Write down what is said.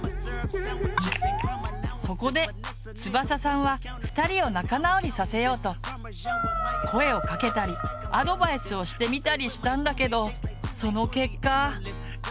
そこでつばささんは２人を仲直りさせようと声をかけたりアドバイスをしてみたりしたんだけどその結果。